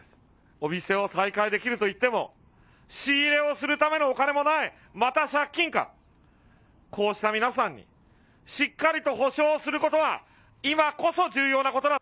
お店を再開できると言っても、仕入れをするためのお金もない、また借金か、こうした皆さんに、しっかりと補償することは今こそ重要なことだ。